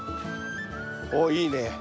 おいいね。